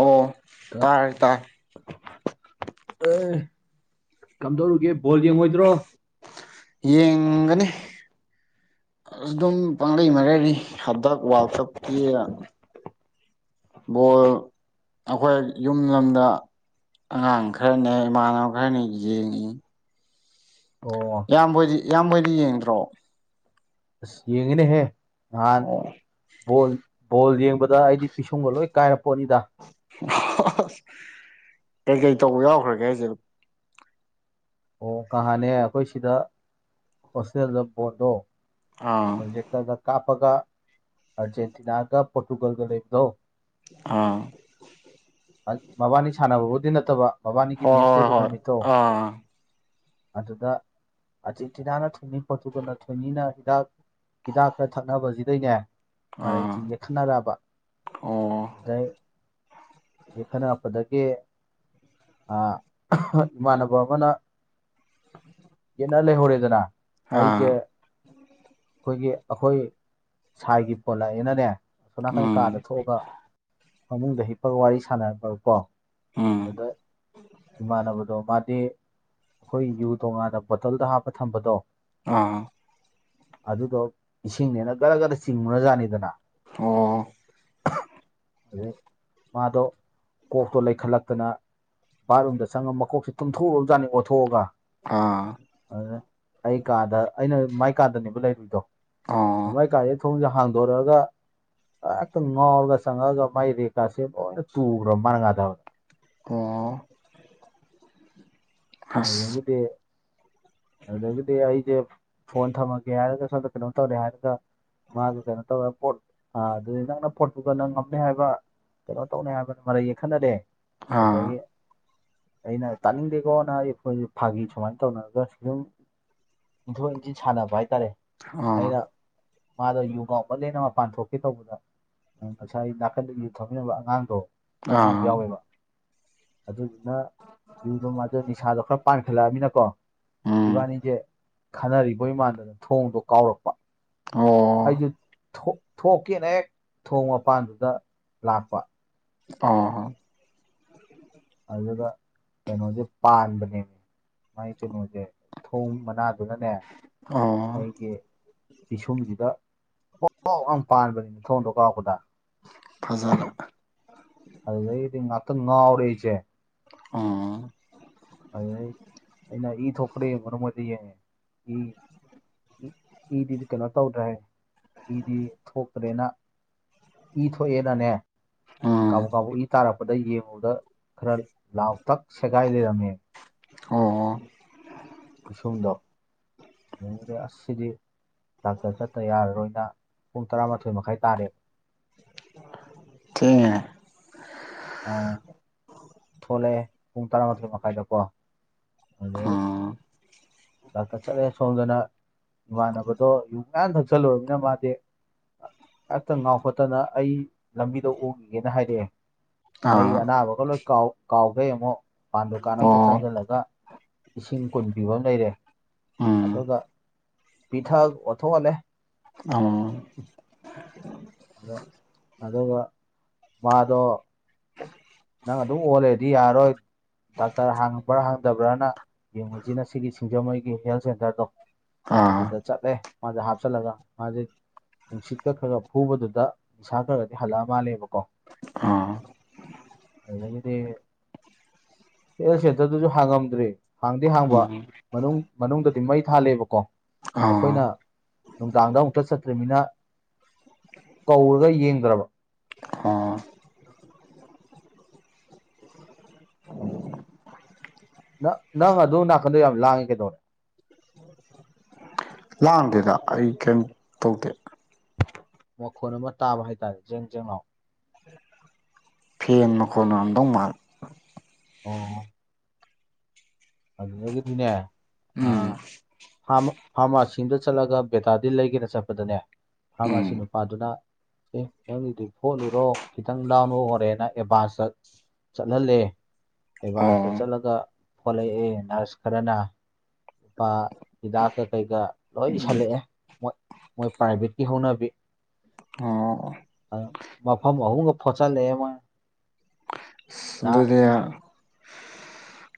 ꯑꯣ ꯀꯥꯔ ꯇꯔꯦ ꯑꯦ ꯀꯝꯗꯧꯔꯨꯒꯦ ꯕꯣꯜ ꯌꯦꯡꯉꯣꯏꯗ꯭ꯔꯣ ꯌꯦꯡꯒꯅꯤ ꯑꯁ ꯑꯗꯨꯝ ꯄꯥꯡꯂꯩ ꯃꯔꯩꯔꯤ ꯍꯟꯗꯛ ꯋꯥꯔꯜ ꯀꯞꯀꯤ ꯕꯣꯜ ꯑꯩꯈꯣꯏ ꯌꯨꯝ ꯂꯣꯝꯗ ꯑꯉꯥꯡ ꯈꯔꯅꯦ ꯏꯃꯥꯟꯅꯕ ꯈꯔꯅꯦ ꯌꯦꯡꯉꯤ ꯑꯣ ꯏꯌꯥꯝꯕꯣꯏꯗꯤ ꯏꯌꯥꯝꯕꯣꯏꯗꯤ ꯌꯦꯡꯗ꯭ꯔꯣ ꯌꯦꯉꯅꯦ ꯍꯦ ꯅꯍꯥꯟ ꯑꯣ ꯕꯣꯜ ꯕꯣꯜ ꯌꯦꯡꯕꯗ ꯑꯩꯗꯤ ꯄꯤꯁꯨꯡꯒ ꯂꯣꯏ ꯀꯥꯏꯅ ꯄꯣꯠꯅꯤꯗ [unintelligible] ꯀꯩ ꯀꯩ ꯇꯧꯕ ꯌꯥꯎꯈ꯭ꯔꯒꯦ ꯍꯥꯏꯁꯦ ꯑꯣ ꯀꯍꯥꯟꯅꯦ ꯑꯩꯈꯣꯏ ꯁꯤꯗ ꯍꯣꯁꯇꯦꯜꯗ ꯕꯣꯜꯘꯣ ꯑꯥ ꯄ꯭ꯔꯣꯖꯦꯛ [unintelligible] ꯀꯥꯞꯄꯒ ꯑꯥꯔꯖꯦꯟꯇꯤꯅꯥꯒ ꯄꯣꯔꯇꯨꯒꯜꯒ ꯂꯩꯕꯗꯣ ꯑꯥ ꯃ ꯃꯕꯥꯅꯤ ꯁꯥꯟꯅꯕꯕꯨꯗꯤ ꯅꯠꯇꯕ ꯃꯕꯥꯅꯤꯒꯤ ꯍꯣꯏ ꯃꯦꯁ ꯍꯣꯏ ꯂꯩꯕ ꯍꯣꯏ ꯅꯨꯃꯤꯠꯇꯣ ꯑꯥ ꯑꯗꯨꯗꯛ ꯇꯤꯅꯥꯅ ꯊꯣꯏꯅꯤ ꯄꯣꯠꯠꯇꯨꯒꯅ ꯊꯣꯏꯅꯤꯅ ꯍꯤꯗꯥꯛ ꯍꯤꯗꯥꯛ ꯈꯔ ꯊꯛꯅꯕꯁꯤꯗꯩꯅꯦ ꯑꯥ ꯃꯔꯩꯁꯤ ꯌꯦꯠꯈꯠꯅꯔꯛꯑꯕ ꯑꯣ ꯑꯗꯩ ꯌꯦꯈꯠꯅꯔꯛꯄꯗꯒꯤ ꯑ ꯏꯃꯥꯟꯅꯕ ꯑꯃꯅ ꯅꯪ ꯂꯩ ꯍꯧꯔꯦꯗꯅ ꯑꯩꯁꯦ ꯑꯥ ꯑꯩꯈꯣꯏꯒꯤ ꯑꯩꯈꯣꯏ ꯁꯥꯏꯒꯤ ꯄꯣꯜ ꯂꯥꯛꯑꯦꯅꯅꯦ ꯑꯁꯣꯝ ꯅꯥꯀꯟ ꯀꯥꯗ ꯎꯝ ꯊꯣꯛꯑꯒ ꯐꯃꯨꯡꯗ ꯍꯤꯞꯄꯒ ꯋꯥꯔꯤ ꯁꯥꯟꯅꯕ ꯀꯣ ꯎꯝ ꯑꯗ ꯏꯃꯥꯟꯅꯕꯗꯣ ꯃꯥꯗꯤ ꯑꯩꯈꯣꯏ ꯌꯨ ꯇꯣꯡꯉꯥꯟꯅ ꯕꯣꯇꯜꯗ ꯍꯥꯞꯄ ꯊꯝꯕꯗꯣ ꯑꯥ ꯑꯥ ꯑꯗꯨꯗꯣ ꯏꯁꯤꯡꯅꯦꯅ ꯒꯔ ꯒꯔ ꯆꯤꯡꯉꯨꯔꯖꯥꯠꯅꯤꯗꯅ ꯑꯣ ꯑꯗꯩ ꯃꯥꯗꯣ ꯀꯣꯛꯇꯣ ꯂꯩꯈꯠꯂꯛꯇꯅ ꯕꯥꯠꯔꯨꯝꯗ ꯆꯪꯉꯒ ꯃꯀꯣꯛꯁꯦ ꯇꯨꯝꯊꯣꯛꯎꯔꯕꯖꯥꯠꯅꯤ ꯑꯣꯠꯊꯣꯛꯑꯒ ꯑꯥ ꯑꯗꯨꯗ ꯑꯩ ꯀꯥꯗ ꯑꯩꯅ ꯃꯥꯏ ꯀꯥꯗꯅꯦꯕ ꯂꯩꯔꯨꯏꯗꯣ ꯑꯣ ꯃꯥꯏ ꯀꯥꯗꯩ ꯊꯣꯡꯁꯦ ꯍꯥꯡ ꯗꯣꯔꯛꯑꯒ ꯍꯦꯛꯇ ꯉꯥꯎꯔꯒ ꯆꯪꯉꯛꯑꯒ ꯃꯥꯏ ꯔꯦꯛꯀꯥꯁꯦ ꯂꯣꯏꯅ ꯇꯨꯒ꯭ꯔꯕ ꯃꯥꯅ ꯉꯥꯗꯕꯗ ꯑꯣ ꯑꯗꯨ ꯑꯁ ꯗꯥꯒꯤꯗꯤ ꯑꯗꯨꯗꯒꯤꯗꯤ ꯑꯩꯁꯦ ꯐꯣꯟ ꯊꯝꯃꯒꯦ ꯍꯥꯏꯔꯒ ꯁꯣꯝꯗ ꯀꯩꯅꯣ ꯇꯧꯔꯦ ꯍꯥꯏꯔꯒ ꯃꯥꯗꯨ ꯀꯩꯅꯣ ꯇꯧꯔ ꯄꯣꯠ ꯑ ꯑꯗꯨꯗꯩ ꯅꯪꯅ ꯄꯣꯇꯨꯒꯜꯅ ꯉꯝꯅꯦ ꯍꯥꯏꯕ ꯀꯩꯅꯣ ꯇꯧꯅꯤ ꯍꯥꯏꯕꯅ ꯃꯔꯩ ꯌꯦꯈꯠꯅꯔꯦ ꯑꯥ ꯑꯗꯒꯤ ꯑꯩꯅ ꯇꯥꯅꯤꯡꯗꯦꯀꯣ ꯅꯥ ꯍꯥꯏꯗꯤ ꯈꯣꯏꯁꯤ ꯐꯥꯒꯤ ꯁꯨꯃꯥꯏꯅ ꯇꯧꯅꯕꯖꯥꯠꯅꯤ ꯑꯗꯨꯨꯝ ꯏꯟꯊꯣꯛ ꯏꯟꯁꯤꯟ ꯁꯥꯟꯅꯕ ꯍꯥꯏꯇꯥꯔꯦ ꯑꯥ ꯑꯩꯅ ꯃꯥꯗꯣ ꯌꯨ ꯉꯥꯏꯈꯠꯂꯦꯅ ꯃꯄꯥꯟ ꯊꯣꯛꯀꯦ ꯇꯧꯕꯗ ꯉꯁꯥꯏ ꯅꯥꯀꯟꯗ ꯌꯨ ꯊꯛꯃꯤꯟꯅꯕ ꯑꯉꯥꯡꯗꯣ ꯑ ꯑꯥꯉꯥꯡ ꯑꯃꯁꯨ ꯑꯥ ꯌꯥꯎꯋꯦꯕ ꯑꯗꯨꯗꯨꯅ ꯌꯨꯗꯣ ꯃꯥꯗꯣ ꯅꯤꯁꯥꯗꯣ ꯈꯔ ꯄꯥꯟꯈꯠꯂꯛꯑꯃꯤꯅꯀꯣ ꯎꯝ ꯏꯕꯥꯅꯤꯁꯦ ꯈꯠꯅꯔꯤꯕꯣꯏ ꯃꯥꯟꯗꯅ ꯊꯣꯡꯗꯣ ꯀꯥꯎꯔꯛꯄ ꯑꯣ ꯑꯩꯁꯨ ꯊꯣꯡ ꯊꯣꯛꯀꯦꯅ ꯍꯦꯛ ꯊꯣꯡ ꯃꯄꯥꯟꯗꯨꯗ ꯂꯥꯛꯄ ꯑꯥ ꯑꯗꯨꯒ ꯀꯩꯅꯣꯁꯦ ꯄꯥꯟꯕꯅꯦ ꯃꯥꯏ ꯀꯩꯅꯣꯁꯦ ꯊꯣꯡ ꯃꯅꯥꯗꯨꯅꯅꯦ ꯑ ꯑꯩꯒꯤ ꯄꯤꯁꯨꯝꯁꯤꯗ ꯐꯣꯛꯅ ꯄꯥꯟꯕꯅꯤ ꯊꯣꯡꯗꯣ ꯀꯥꯎꯔꯛꯄꯗ ꯐꯖꯔꯦ ꯑꯗꯨꯗꯩꯗꯤ ꯉꯥꯇꯪ ꯉꯥꯎꯔꯦ ꯑꯩꯁꯦ ꯑꯣ ꯑꯗꯨꯗꯩ ꯑꯩꯅ ꯏ ꯊꯣꯛꯄ꯭ꯔ ꯌꯦꯡꯎꯅ ꯃꯣꯏꯗ ꯌꯦꯡꯉꯦ ꯏ ꯏꯗꯤ ꯀꯩꯅꯣ ꯇꯧꯗ꯭ꯔꯦ ꯏꯗꯤ ꯊꯣꯛꯇ꯭ꯔꯦꯅ ꯏ ꯊꯣꯛꯑꯦꯅꯅꯦ ꯎꯝ ꯀꯕꯛ ꯀꯕꯛ ꯏ ꯇꯥꯔꯛꯄ ꯑꯗꯩ ꯌꯦꯡꯉꯨꯕꯗ ꯈꯔ ꯂꯥꯎꯇꯛ ꯁꯦꯒꯥꯏ ꯂꯩꯔꯝꯃꯦ ꯑꯣ ꯄꯤꯁꯨꯝꯗꯣ [unintelligible] ꯑꯁ ꯁꯤꯗꯤ ꯗꯥꯛꯇꯔ ꯆꯠꯇ ꯌꯥꯔꯔꯣꯏꯅ ꯄꯨꯡ ꯇꯔꯥꯃꯥꯊꯣꯏ ꯃꯈꯥꯏ ꯇꯥꯔꯦ ꯊꯦꯡꯉꯦꯍꯦ ꯑꯥ ꯊꯣꯂꯛꯑꯦ ꯄꯨꯡ ꯇꯔꯥꯃꯥꯊꯣꯏ ꯃꯈꯥꯏꯗꯀꯣ ꯑꯗꯩ ꯎꯝ ꯗꯥꯛꯇꯔ ꯆꯠꯂꯦ ꯁꯣꯝꯗꯅ ꯏꯃꯥꯟꯅꯕꯗꯣ ꯌꯨ ꯃꯌꯥꯝ ꯊꯛꯆꯜꯂꯨꯔꯃꯤꯅ ꯃꯥꯗꯤ ꯑ ꯍꯦꯛꯇ ꯉꯥꯎꯈꯠꯇꯅ ꯑꯩ ꯂꯝꯕꯤꯗ ꯑꯣꯒꯤꯒꯦꯅ ꯍꯥꯏꯔꯛꯑꯦ ꯑꯩ ꯑꯥ ꯑꯅꯥꯕꯒ ꯂꯣꯏ ꯀꯥꯎ ꯀꯥꯎꯒꯦ ꯑꯃꯨꯛ ꯃꯄꯥꯟ ꯗꯨꯀꯥꯟ ꯑꯝꯗ ꯑꯣ ꯆꯪꯖꯜꯂꯒ ꯏꯁꯤꯡ ꯀꯨꯟ ꯄꯤꯕ ꯑꯃ ꯂꯩꯔꯦ ꯎꯝ ꯑꯗꯨꯒ ꯄꯤꯊꯛ ꯑꯣꯊꯣꯛꯍꯜꯂꯦ ꯑꯣ ꯑꯗ ꯑꯗꯨꯒ ꯃꯥꯗꯣ ꯅꯪ ꯑꯗꯨꯝ ꯑꯣꯂꯩꯔꯗꯤ ꯌꯥꯔꯔꯣꯏ ꯗꯥꯛꯇꯔ ꯍꯥꯡꯕ꯭ꯔꯥ ꯍꯥꯡꯗꯕ꯭ꯔꯅ ꯌꯦꯡꯉꯨꯁꯤꯅ ꯁꯤꯒꯤ ꯁꯤꯡꯖꯃꯩꯒꯤ ꯍꯦꯜꯊ ꯁꯦꯟꯇꯔꯗꯣ ꯑꯥ ꯑꯗꯨꯗ ꯆꯠꯂꯦ ꯃꯥꯁꯦ ꯍꯥꯞꯆꯜꯂꯒ ꯃꯥꯁꯦ ꯅꯨꯡꯁꯤꯠꯀ ꯈꯔ ꯐꯨꯕꯗꯨꯗ ꯅꯤꯁꯥ ꯈꯥꯔꯥ ꯈꯥꯔꯥꯗꯤ ꯍꯜꯂꯛꯑ ꯃꯥꯜꯂꯦꯕꯀꯣ ꯑꯥ ꯑꯗꯒꯤꯗꯤ ꯍꯦꯜ ꯁꯦꯟꯇꯔꯗꯨꯁꯨ ꯍꯥꯡꯉꯝꯗ꯭ꯔꯤ ꯍꯥꯡꯗꯤ ꯍꯥꯡꯕ ꯎꯝ ꯃꯅꯨꯡ ꯃꯅꯨꯡꯗꯗꯤ ꯃꯩ ꯊꯥꯜꯂꯦꯕꯀꯣ ꯑꯩꯈꯣꯏꯅ ꯑꯥ ꯅꯨꯡꯗꯥꯡꯗ ꯑꯃꯨꯛꯇ ꯆꯠꯇ꯭ꯔꯤꯃꯤꯅ ꯀꯧꯔꯒ ꯌꯦꯡꯗ꯭ꯔꯕ ꯑꯥ ꯅ ꯅꯪ ꯑꯗꯨ ꯅꯥꯀꯟꯗꯣ ꯌꯥꯝ ꯂꯥꯡꯉꯦ ꯀꯩꯗꯧꯔꯦ [unintelligible] ꯂꯥꯡꯗꯦꯗ ꯑꯩ ꯀꯩꯝ ꯇꯧꯗꯦ ꯃꯈꯣꯜ ꯑꯃ ꯇꯥꯕ ꯍꯥꯏꯇꯥꯔꯦ ꯖꯦꯡ ꯖꯦꯡ ꯂꯥꯎ ꯐꯦꯟ ꯃꯈꯣꯟ ꯑꯣꯢꯔꯝꯗꯧ ꯃꯥꯜꯂꯤ ꯑꯣ ꯑꯗꯨꯗꯒꯤꯗꯤꯅꯦ ꯑ ꯎꯝ ꯐꯥꯔꯃꯥꯁꯤ ꯑꯝꯗ ꯆꯠꯂꯒ ꯕꯦꯇꯥꯗꯤꯟ ꯂꯩꯒꯦꯅꯥ ꯆꯠꯄꯗꯅꯦ ꯎꯝ ꯐꯥꯔꯃꯥꯁꯤ ꯅꯨꯄꯥꯗꯨꯅ ꯑꯦ ꯅꯪꯒꯤꯗꯨ ꯐꯣꯠꯂꯨꯔꯣ ꯈꯤꯇꯪ ꯂꯥꯎꯅꯝ ꯍꯣꯔꯦꯅ ꯑꯦꯗꯚꯥꯟꯁꯇ ꯆꯠꯍꯜꯂꯦ ꯑꯣ ꯑꯦꯗꯚꯥꯟꯁꯇ ꯆꯠꯂꯒ ꯑꯦ ꯅ꯭ꯥꯔꯁ ꯈꯥꯔꯅ ꯂꯨꯄꯥ ꯍꯤꯗꯥꯛꯀ ꯀꯩꯀꯥ ꯂꯣꯏ ꯏꯁꯜꯂꯛꯑꯦ ꯃꯣꯏ ꯃꯣꯏ ꯄ꯭ꯔꯥꯏꯚꯦꯠꯀꯤ ꯍꯧꯅꯕꯤ ꯑꯣ ꯃꯐꯝ ꯑꯍꯨꯝꯒ ꯐꯣꯠꯆꯜꯂꯛꯑꯦ ꯃꯣꯏꯅ ꯑꯁ ꯑꯗꯨꯗꯤ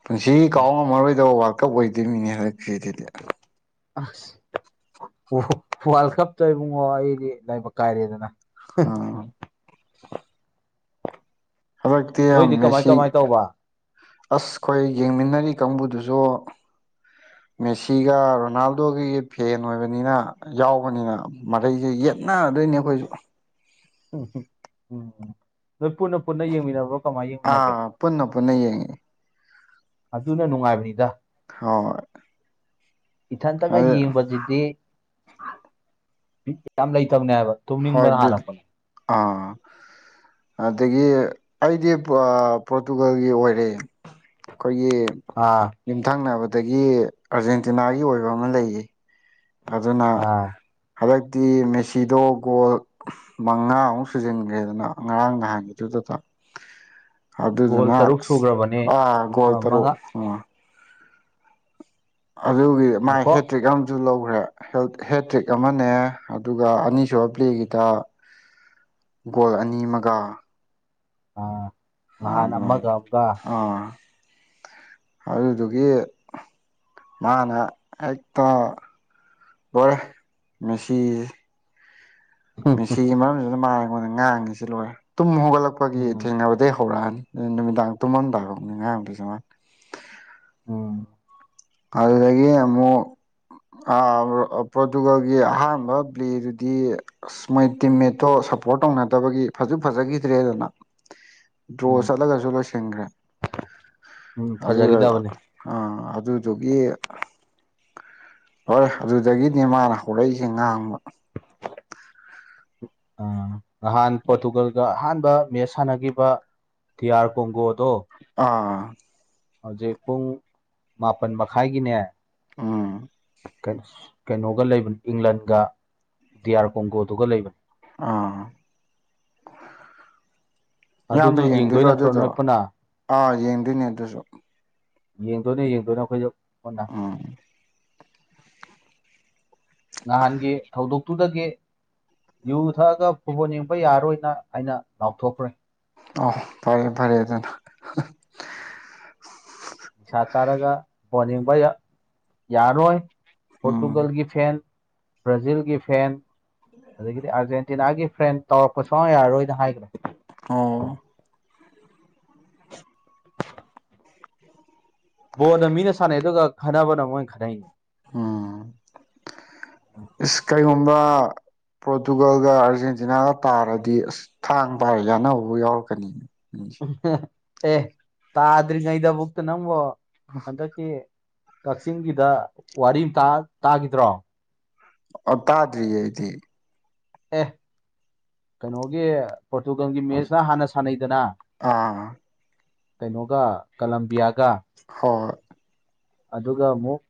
ꯄꯨꯟꯁꯤ ꯀꯥꯎ ꯉꯝꯃꯔꯣꯏꯗꯕ ꯋꯥꯔꯜ ꯀꯞ ꯑꯣꯏꯗꯣꯏꯃꯤꯅꯦ ꯍꯧꯖꯤꯛꯀꯤꯗꯨꯗꯤ ꯑꯥꯁ ꯋꯥꯔꯜ ꯀꯞꯇ ꯏꯕꯨꯡꯉꯣ ꯑꯩꯗꯤ ꯂꯥꯏꯕꯛ ꯀꯥꯏꯔꯦꯗꯅ [unintelligible] ꯍꯥꯟꯗꯛꯇꯤ ꯅꯣꯏꯗꯤ ꯀꯃꯥꯏ ꯃꯦꯁꯤ ꯀꯃꯥꯏ ꯇꯧꯕ ꯑꯁ ꯑꯩꯈꯣꯏ ꯌꯦꯡꯃꯤꯟꯅꯔꯤ ꯀꯥꯡꯕꯨꯗꯨꯁꯨ [inaudible] ꯃꯦꯁꯤꯒ ꯔꯣꯅꯥꯜꯗꯣꯒꯤ ꯐꯦꯟ ꯑꯣꯏꯕꯅꯤꯅ ꯌꯥꯎꯕꯅꯤꯅ ꯃꯔꯩꯁꯦ ꯌꯦꯠ ꯅꯥꯗꯣꯏꯅꯦ ꯑꯩꯈꯣꯏꯁꯨ ꯎꯝ ꯎꯝ ꯎꯝ ꯅꯣꯏ ꯄꯨꯟꯅ ꯄꯨꯟꯅ ꯌꯦꯡꯃꯤꯟꯅꯕ ꯑꯥ ꯄꯨꯟꯅ ꯄꯨꯟꯅ ꯌꯦꯡꯉꯤ ꯑꯗꯨꯅ ꯅꯨꯡꯉꯥꯏꯕꯅꯤꯗ ꯍꯣꯏ ꯏꯊꯟꯇꯒ ꯑꯗꯩ ꯌꯦꯡꯕꯁꯤꯗꯤ ꯕꯤꯠ ꯌꯥꯝ ꯂꯩꯇꯕꯅꯦ ꯍꯥꯏꯕ ꯍꯣꯏ ꯇꯨꯝꯅꯤꯡꯕꯅ ꯕꯤꯠ ꯍꯥꯜꯂꯛꯄꯅꯦ ꯑꯥ ꯑꯗꯒꯤ ꯑꯩꯗꯤ ꯄꯣꯔꯇꯨꯒꯜꯒꯤ ꯑꯣꯏꯔꯦ ꯑꯩꯈꯣꯏꯒꯤ ꯑꯥ ꯌꯨꯝꯊꯪꯅꯕꯗꯒꯤ ꯑꯔꯖꯦꯟꯇꯤꯅꯥꯒꯤ ꯑꯣꯏꯕ ꯑꯃ ꯂꯩꯌꯦ ꯑꯗꯨꯅ ꯑꯥ ꯍꯟꯗꯛꯇꯤ ꯃꯦꯁꯤꯗꯣ ꯒꯣꯜ ꯃꯉꯥꯃꯨꯛ ꯁꯨꯖꯤꯟꯈ꯭ꯔꯦꯗꯅ ꯉꯔꯥꯡ ꯅꯍꯥꯟꯒꯤꯗꯨꯗꯨꯗ ꯒꯣꯜ ꯇꯔꯨꯛ ꯁꯨꯈ꯭ꯔꯕꯅꯦ ꯑꯥ ꯒꯣꯜ ꯇꯔꯨꯛ ꯃꯉꯥ ꯑꯥ ꯑꯗꯨꯒꯤ ꯃꯥꯥꯏ ꯉꯥꯏꯈꯣ ꯍꯦꯇ꯭ꯔꯤꯛ ꯑꯃ ꯑꯗꯨ ꯂꯧꯈ꯭ꯔꯦ ꯍꯦꯇ꯭ꯔꯤꯛ ꯑꯃꯅꯦ ꯑꯗꯨꯒ ꯑꯅꯤꯁꯨꯕ ꯄ꯭ꯂꯦꯒꯤꯗ ꯒꯣꯜ ꯑꯅꯤ ꯑꯃꯒ ꯑ ꯑꯥ ꯅꯍꯥꯟ ꯑꯃꯒ ꯑꯗꯨꯃꯥꯏꯅ ꯑꯃꯒ ꯑꯥ ꯑꯗꯨꯗꯨꯒꯤ ꯃꯥꯅ ꯍꯦꯛꯇ ꯣꯔꯦ ꯃꯦꯁꯤ ꯃꯤꯦꯁꯤꯒꯤ ꯃꯔꯝꯁꯤꯅ ꯃꯥ ꯑꯩꯉꯣꯟꯗ ꯉꯥꯡꯉꯤꯁꯤ ꯂꯣꯏꯔꯦ ꯇꯨꯝ ꯍꯧꯒꯠꯂꯛꯄꯒꯤ ꯎꯝ ꯊꯦꯡꯅꯕꯗꯒꯤꯩ ꯍꯧꯔꯛꯑꯅꯤ ꯅꯨꯃꯤꯗꯥꯡ ꯇꯨꯝꯃꯝꯗꯔꯛꯅꯤ ꯉꯥꯡꯗꯏ ꯆꯃꯉꯥ ꯎꯝ ꯑꯗꯨꯗꯒꯤ ꯑꯃꯨꯛ ꯄ꯭ꯔꯣꯇꯨꯒꯜꯒꯤ ꯑꯍꯥꯡꯥꯟꯕ ꯄꯕ꯭ꯂꯦꯗꯨꯗꯤ ꯑꯁ ꯃꯣꯏ ꯇꯤꯝꯃꯦꯠꯇꯣ ꯁꯞꯄꯣꯔꯠ ꯇꯧꯅꯗꯕꯒꯤ ꯐꯁꯨ ꯐꯖꯈꯤꯗ꯭ꯔꯦꯗꯅ ꯗ꯭ꯔꯣ ꯎꯝ ꯆꯠꯂꯒꯁꯨ ꯂꯣꯏꯁꯤꯟꯈ꯭ꯔꯦ ꯎꯝ ꯑꯗꯨ ꯐꯖꯈꯤꯗꯕꯅꯦ ꯑꯥ ꯑꯗꯨ ꯒꯤ ꯍꯔꯣꯏ ꯑꯗꯨꯗꯒꯤꯗꯤ ꯃꯥꯅ ꯍꯧꯔꯛꯏꯁꯦ ꯉꯥꯡꯕ ꯑ ꯅꯍꯥꯟ ꯄꯣꯔꯇꯨꯒꯜꯒ ꯑꯍꯥꯟꯕ ꯃꯦꯁ ꯁꯥꯟꯅꯈꯤꯕ ꯊꯤꯌꯥꯔ ꯀꯒꯣꯗ ꯑꯥ ꯍꯧꯖꯤꯛ ꯄꯨꯡ ꯃꯥꯄꯜ ꯃꯈꯥꯏꯒꯤꯅꯦ ꯑꯥ ꯀꯩꯅꯣꯒ ꯂꯩꯕꯅꯤ ꯏꯪꯂꯟꯒ ꯗꯤꯌꯥꯔ ꯀꯣꯡꯒꯣꯗꯨꯒ ꯂꯩꯕꯅꯤ ꯑꯥ ꯏꯌꯥꯝꯕ ꯑꯗꯨꯁꯨ ꯌꯦꯡꯗꯣꯏ ꯌꯦꯡꯗꯣꯏꯔꯣ ꯅꯠꯇ꯭ꯔꯣ ꯑꯗꯨꯗꯣ ꯅꯣꯏ ꯄꯨꯟꯅ ꯑꯥ ꯌꯦꯡꯗꯣꯏꯅꯦ ꯑꯗꯨꯁꯨ ꯌꯦꯡꯗꯣꯏꯅꯣ ꯌꯦꯡꯗꯣꯏꯅꯣ ꯑꯩꯈꯣꯏꯗ ꯍꯟꯅ ꯎꯝ ꯅꯍꯥꯟꯒꯤ ꯊꯧꯗꯣꯛꯇꯨꯗꯒꯤ ꯌꯨ ꯊꯛꯑꯒ ꯐꯨꯠꯕꯣꯜ ꯌꯦꯡꯕ ꯌꯥꯔꯣꯏꯅ ꯍꯥꯏꯩꯅ ꯂꯥꯎꯊꯣꯛꯈ꯭ꯔꯦ ꯑ ꯐꯔꯦ ꯐꯔꯦ ꯑꯗꯨꯅ ꯅꯤꯁꯥ ꯆꯥꯔꯒ ꯕꯣꯜ ꯌꯦꯡꯕ ꯌꯥꯔꯔꯣꯏ ꯎꯝ ꯄꯣꯔꯇꯨꯒꯜꯒꯤ ꯐꯦꯟ ꯕ꯭ꯔꯥꯖꯤꯜꯒꯤ ꯐꯦꯟ ꯑꯗꯒꯤꯗꯤ ꯑꯥꯔꯖꯦꯟꯇꯤꯅꯥꯒꯤ ꯐ꯭ꯔꯦꯟ ꯇꯧꯔꯛꯄꯁꯨ ꯌꯥꯔꯣꯏꯅ ꯍꯥꯏꯈ꯭ꯔꯦ ꯑꯣ ꯕꯣꯜꯗ ꯃꯤꯅ ꯁꯥꯟꯅꯩ ꯑꯗꯨꯒ ꯈꯟꯅꯅꯕꯅ ꯃꯣꯏꯅ ꯈꯟꯅꯩꯅꯦ ꯎꯝ ꯀꯩꯒꯨꯝꯕ ꯄꯣꯔꯇꯨꯒꯜꯒ ꯑꯥꯔꯖꯦꯟꯇꯤꯅꯥꯒ ꯇꯥꯔꯗꯤ ꯑꯁ ꯊꯥꯡ ꯄꯥꯔ ꯑꯅꯧꯕꯕꯨ ꯌꯥꯎꯔꯛꯀꯅꯤ ꯎꯝ ꯑꯦ ꯇꯥꯗ꯭ꯔꯤꯉꯩꯗꯕꯨꯛꯇ ꯅꯪꯕꯣ ꯍꯟꯗꯛ ꯀꯛꯆꯤꯡꯒꯤꯗ ꯋꯥꯔꯤ ꯑꯃ ꯇꯥꯈꯤꯗ꯭ꯔꯣ ꯑ ꯇꯥꯗ꯭ꯔꯤ ꯑꯩꯗꯤ ꯑꯦ ꯀꯩꯅꯣꯒꯤ ꯄꯣꯔꯇꯨꯒꯜꯒꯤ ꯃꯦꯠꯁꯇ ꯍꯥꯟꯅ ꯁꯥꯟꯅꯩꯗꯅ ꯑꯥ ꯀꯩꯅꯣꯒ ꯀꯂꯝꯕꯤꯌꯥꯒ ꯍꯣꯏ ꯑꯗꯨꯒ ꯑꯃꯨꯛ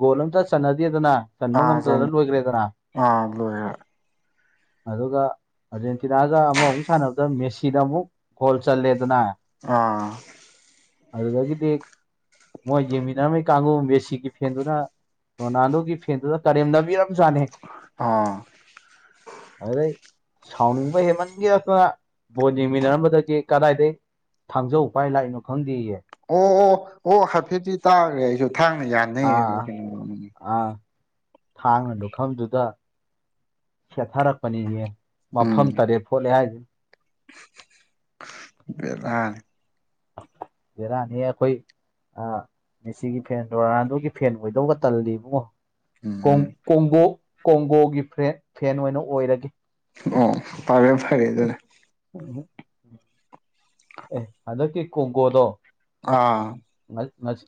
ꯒꯣꯜ ꯑꯝꯇ ꯆꯅꯗꯦꯗꯅ ꯆꯟꯕ ꯑꯥ ꯆꯟ ꯉꯝꯗꯗꯅ ꯂꯣꯏꯈ꯭ꯔꯦꯗꯅ ꯑꯥ ꯂꯣꯏꯔꯦ ꯑꯗꯨꯒ ꯑꯥꯔꯖꯦꯟꯇꯤꯅꯥꯒ ꯑꯃꯃꯨꯛ ꯁꯥꯟꯅꯕꯗ ꯃꯦꯁꯤꯗ ꯑꯃꯨꯛ ꯈꯣꯜ ꯆꯜꯂꯦꯗꯅ ꯑꯥ ꯑꯗꯨꯗꯒꯤꯗꯤ ꯃꯣꯏ ꯌꯦꯡꯃꯤ ꯩ ꯀꯥꯡꯒꯣ ꯕꯦꯁꯤꯒꯤ ꯐꯦꯟꯗꯨꯅ ꯔꯣꯅꯥꯜꯗꯣꯒꯤ ꯐꯦꯟꯗꯨꯗ ꯀꯔꯦꯝꯅꯕꯤꯔ ꯅꯦꯦ ꯑꯥ ꯑꯣ ꯑꯗꯨꯗ ꯁꯥꯎꯅꯤꯡꯕ ꯍꯦꯃꯟꯒꯦꯔꯅ ꯕꯣꯜ ꯌꯦꯡꯃꯤꯟꯅꯔꯝꯕꯗꯒꯤ ꯀꯗꯥꯏꯗꯒꯤ ꯊꯥꯡꯖꯧ ꯄꯥꯏ ꯂꯥꯛꯏꯅꯣ ꯈꯪꯗꯦꯌꯦ ꯑꯣ ꯑꯣ ꯑꯣ ꯍꯥꯏꯐꯦꯠꯇꯤ ꯇꯥꯈ꯭ꯔꯦ ꯑꯩꯁꯨ ꯊꯥꯡꯅ ꯌꯥꯅꯩꯌꯦꯕ ꯑꯥ ꯀꯩꯅꯣ ꯑꯥ ꯊꯥꯡꯅ ꯂꯨꯈꯝꯗꯨꯗ ꯁꯦꯠꯊꯔꯛꯄꯅꯤꯁꯦ ꯃꯐꯝ ꯎꯝ ꯇꯔꯦꯠ ꯐꯣꯠꯂꯦ ꯍꯥꯏꯁꯤꯅ ꯕꯦꯔꯥꯅꯤ ꯕꯦꯔꯥꯅꯤ ꯑꯈꯣꯏ ꯑ ꯃꯤꯁꯤꯒꯤ ꯐꯦꯟꯗꯣ ꯔꫭꯅꯥꯟꯜꯗꯣꯒꯤ ꯐꯦꯟ ꯑꯣꯏꯗꯧꯕꯒ ꯇꯜꯂꯤꯕꯨꯡꯉꯣ ꯎꯝ ꯀꯣꯡꯒꯣ ꯀꯣꯡꯒꯣꯒꯤ ꯐꯦ ꯐꯦꯟ ꯑꯣꯏꯅ ꯑꯣꯏꯔꯒꯦ ꯑꯣ ꯐꯔꯦ ꯐꯔꯦ ꯑꯗꯨꯗꯤ [unintelligible] ꯑꯦ ꯍꯟꯗꯛꯀꯤ ꯀꯣꯡꯒꯣꯗꯣ ꯑꯥ ꯉ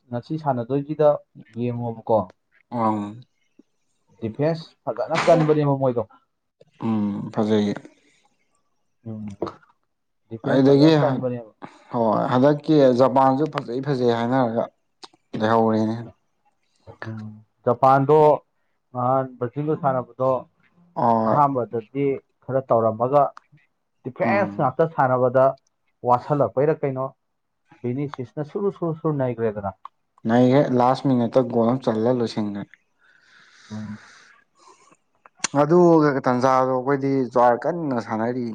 ꯉꯁꯤ ꯁꯥꯟꯅꯗꯣꯏꯁꯤꯗ ꯌꯦꯡꯉꯣꯕꯀꯣ ꯑꯪ ꯗꯤꯐꯦꯟꯁ ꯐꯖꯅ ꯀꯟꯕꯅꯦꯕ ꯃꯣꯏꯗꯣ ꯎꯝ ꯐꯖꯩꯌꯦ ꯎꯝ ꯗꯤꯐꯦꯟꯁ ꯑꯩꯗꯗꯒꯤ ꯐꯖꯅ ꯀꯟꯕꯅꯦꯕ ꯍꯣꯏ ꯍꯟꯗꯛꯀꯤ ꯖꯄꯥꯟꯁꯨ ꯐꯖꯩ ꯐꯖꯩ ꯍꯥꯏꯅꯔꯒ ꯂꯩꯍꯧꯔꯦꯅꯦ ꯎꯝ ꯖꯄꯥꯟꯗꯣ ꯅꯍꯥꯟ ꯕ꯭ꯔꯖꯤꯟꯒ ꯁꯥꯟꯅꯕꯗꯣ ꯑꯣ ꯑꯍꯥꯟꯕꯗꯗꯤ ꯈꯔ ꯇꯧꯔꯝꯃꯒ ꯗꯤꯐꯦꯟꯁ ꯎꯝ ꯉꯥꯛꯇ ꯁꯥꯟꯅꯕꯗ ꯋꯥꯁꯤꯜꯂꯛꯄꯩꯔ ꯀꯩꯅꯣ ꯕꯤꯅꯤꯁꯤꯁꯤꯅ ꯁꯨꯔꯨ ꯁꯨꯔꯨ ꯁꯨꯔꯨ ꯅꯩꯈ꯭ꯔꯦꯗꯅ ꯅꯩꯒ꯭ꯔꯦ ꯂꯥꯁ ꯃꯤꯅꯤꯠꯇ ꯒꯣꯜ ꯑꯃ ꯆꯜꯂꯒ ꯂꯣꯏꯁꯤꯟꯒ꯭ꯔꯦ ꯎꯝ ꯑꯗꯨ ꯇꯥꯟꯖꯥꯗꯣ ꯑꯩꯈꯣꯏꯗꯤ ꯖ꯭ꯋꯥꯔ ꯀꯟꯅ ꯁꯥꯟꯅꯔꯤ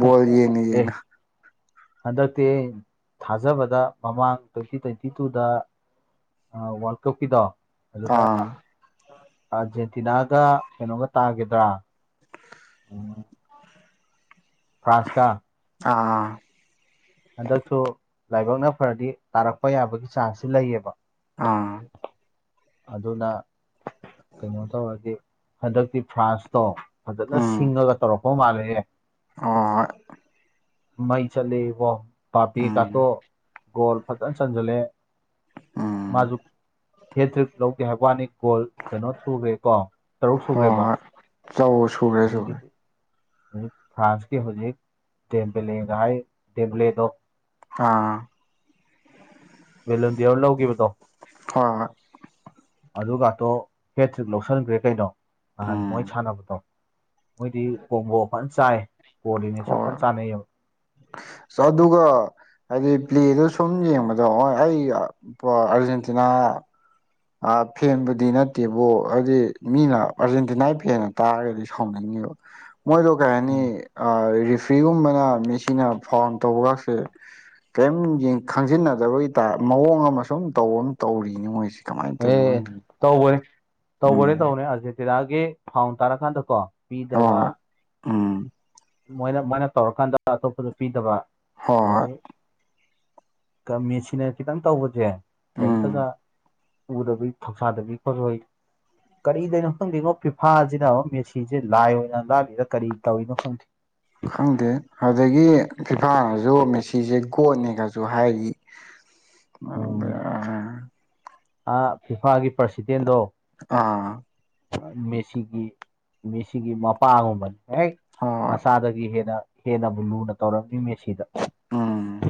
ꯕꯣꯜ ꯌꯦꯡꯅ ꯌꯦꯡꯅ ꯍꯟꯗꯛꯇꯤ ꯑꯩ ꯊꯥꯖꯕꯗ ꯃꯃꯥꯡ ꯇ꯭ꯋꯦꯟꯇꯤ ꯇ꯭ꯋꯦꯟꯇꯤ ꯇꯨꯗ ꯑ ꯋꯥꯔꯜ ꯀꯞꯀꯤꯗꯣ ꯑꯗꯨꯗ ꯑꯥ ꯑꯥꯔꯖꯦꯟꯇꯤꯅꯥꯒ ꯀꯩꯅꯣꯒ ꯇꯥꯒꯗ꯭ꯔꯥ ꯎꯝ ꯐ꯭ꯔꯥꯟꯁ ꯀꯥ ꯑꯥ ꯍꯟꯗꯛꯁꯨ ꯂꯥꯏꯕꯛꯅ ꯐꯔꯗꯤ ꯇꯥꯔꯛꯄ ꯌꯥꯕꯒꯤ ꯆꯥꯟꯁꯁꯤ ꯂꯩꯌꯦꯕ ꯑꯥ ꯑꯗꯨꯅ ꯀꯩꯅꯣ ꯇꯧꯔꯗꯤ ꯍꯟꯗꯛꯇꯤ ꯐ꯭ꯔꯥꯟꯁꯇꯣ ꯐꯖꯅ ꯁꯤꯡꯉꯒ ꯇꯧꯔꯛꯄ ꯃꯥꯜꯂꯦꯍꯦ ꯑꯣꯏ ꯃꯩ ꯆꯠꯂꯦ ꯏꯕꫭ ꯄꯥꯄꯦ ꯎꯝ ꯀꯥꯇꯣ ꯒꯣꯜ ꯐꯖꯅ ꯆꯟꯖꯜꯂꯦ ꯎꯝ ꯃꯥꯁꯨ ꯍꯦꯇ꯭ꯔꯤꯛ ꯂꯧꯗꯦ ꯍꯥꯏꯕ ꯋꯥꯅꯤ ꯒꯣꯜ ꯀꯩꯅꯣ ꯁꯨꯈ꯭ꯔꯦ ꯀꯣ ꯇꯔꯨꯛ ꯁꯨꯈ꯭ꯔꯦꯕ ꯇꯧ ꯁꯧꯒ꯭ꯔꯦ ꯑꯗꯨꯗꯒꯤꯗꯤ ꯁꯧꯒ꯭ꯔꯦ ꯍꯧꯖꯤꯛ ꯐ꯭ꯔꯥꯟꯁꯀꯤ ꯍꯧꯖꯤꯛ ꯗꯦꯝꯕꯂꯦꯒ ꯍꯥꯏ ꯗꯦꯝꯕ꯭ꯂꯦꯗꯣ ꯑꯥ ꯕꯦꯂꯨꯟꯗꯤꯌꯔ ꯂꯧꯈꯤꯕꯗꯣ ꯍꯣꯏ ꯍꯣꯏ ꯑꯗꯨꯒꯥꯛꯇꯣ ꯍꯦꯇ꯭ꯔꯤꯛ ꯂꯧꯁꯤꯟꯈ꯭ꯔꯦ ꯀꯩꯅꯣ ꯅꯍꯥꯟ ꯃꯣꯏ ꯎꯝ ꯁꯥꯟꯅꯕꯗꯣ ꯃꯣꯏꯗꯤ ꯀꯣꯡꯕꯣ ꯐꯅ ꯆꯥꯏ ꯀꯣꯂꯤꯅꯦꯁꯟ ꯐꯖꯅ ꯆꯥꯅꯩꯌꯦꯕ ꯑꯁ ꯑꯗꯨꯒ ꯍꯥꯏꯗꯤ ꯄ꯭ꯂꯦꯗ ꯁꯨꯝ ꯌꯦꯡꯕꯗ ꯍꫭꯏ ꯑꯩ ꯑꯥꯔꯖꯦꯟꯇꯤꯅꯥ ꯐꯦꯟꯕꯨꯗꯤ ꯅꯠꯇꯦꯕꯣ ꯑꯗꯨꯗꯤ ꯃꯤꯅ ꯑꯥꯔꯖꯦꯟꯇꯤꯅꯥꯒꯤ ꯐꯦꯟꯅ ꯇꯥꯔꯒꯗꯤ ꯁꯥꯎꯅꯤꯡꯉꯦꯕ ꯃꯣꯏꯗꯣ ꯀꯩ ꯍꯥꯏꯅꯤ ꯎꯝ ꯔꯤꯐ꯭ꯔꯤꯒꯨꯝꯕꯅ ꯃꯤꯁꯤꯅ ꯐꯥꯎꯟ ꯇꯧꯕꯒꯁꯦ ꯀꯩꯝ ꯈꯪꯖꯤꯟꯅꯗꯕꯒꯤ ꯇ ꯃꯑꯣꯡ ꯑꯃ ꯁꯨꯝ ꯇꯧ ꯑꯃ ꯇꯧꯔꯤꯅꯤ ꯃꯣꯏꯁꯦ ꯀꯃꯥꯏꯅ ꯑꯦ ꯊꯧꯅꯣ ꯇꯧꯕꯅꯦ ꯇꯧꯕꯅꯤ ꯇꯧꯕꯅꯦ ꯑꯥꯔꯖꯦꯟꯇꯤꯅꯥꯒꯤ ꯐꯥꯎꯟ ꯇꯥꯔꯀꯥꯟꯗꯀꯣ ꯍꯣꯏ ꯄꯤꯗꯕ ꯍꯣꯏ ꯎꯝ ꯃꯣꯏꯅ ꯃꯣꯏꯅ ꯇꯧꯔꯀꯥꯟꯗ ꯑꯇꯣꯞꯄꯗ ꯄꯤꯗꯕ ꯍꯣꯏ ꯍꯣꯏ ꯑꯗꯒꯤ ꯃꯦꯁꯤꯟꯅ ꯈꯤꯇꯪ ꯇꯧꯕꯁꯦ ꯀꯔꯤꯝꯇꯗ ꯎꯝ ꯎꯗꯕꯤ ꯊꯧꯁꯥꯗꯕꯤ ꯈꯣꯠꯂꯣꯏ ꯀꯔꯤꯗꯣꯏꯅꯣ ꯈꯪꯗꯦꯅꯣ ꯐꯤꯐꯥꯁꯤꯅ ꯑꯃ ꯃꯦꯁꯤꯁꯤꯦ ꯂꯥꯏ ꯑꯣꯏꯅ ꯂꯥꯂꯤꯗ ꯀꯔꯤ ꯇꯧꯔꯤꯅꯣ ꯈꯪꯗꯦ ꯈꯪꯗꯦ ꯑꯗꯨꯗꯒꯤ ꯐꯤꯐꯥꯅꯁꯨ ꯃꯦꯁꯤꯁꯦ ꯒꯣꯠꯅꯤꯒꯁꯨ ꯍꯥꯏꯔꯤ [unintelligible] [unintelligible] ꯑ ꯐꯤꯐꯥꯒꯤ ꯄ꯭ꯔꯁꯤꯗꯦꯟꯗꯣ ꯑꯥ ꯃꯦꯁꯤꯒꯤ ꯃꯦꯁꯤꯒꯤ ꯃꯄꯥꯒꯨꯝꯕꯅꯤ ꯍꯦꯛ ꯍꯣꯏ ꯃꯁꯥꯗꯒꯤ ꯍꯦꯟꯅ ꯍꯦꯟꯅꯕꯨ ꯂꯨꯅ ꯇꯧꯔꯝꯃꯤ ꯃ ꯁꯤꯗ ꯑꯣ